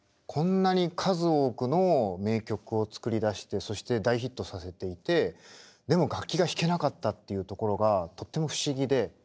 こんなに数多くの名曲を作り出してそして大ヒットさせていてでも楽器が弾けなかったっていうところがとっても不思議で。